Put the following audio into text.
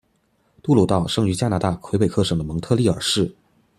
杜鲁道生于加拿大魁北克省的蒙特利尔市。